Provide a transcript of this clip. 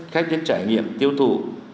khách đến trải nghiệm tiêu thụ